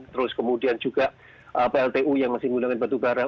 terus kemudian juga pltu yang masih menggunakan batu bara